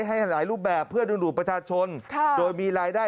ให้หลายรูปแบบเพื่อดูประชาชนโดยมีรายได้